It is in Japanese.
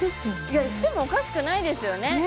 いやしてもおかしくないですよねね